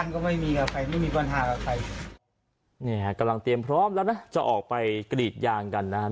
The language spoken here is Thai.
กำลังเตรียมพร้อมแล้วนะจะออกไปกระดิษฐ์ยางกันนะครับ